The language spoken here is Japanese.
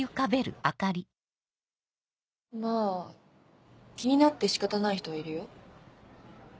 まぁ気になって仕方ない人はいるよ。